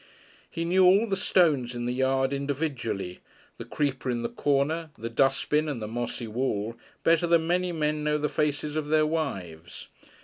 He knew all the stones in the yard individually, the creeper in the corner, the dustbin and the mossy wall, better than many men know the faces of their wives.